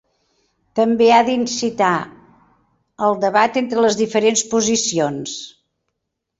També ha d'incitar al debat entre les diferents posicions.